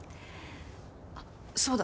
あっそうだ。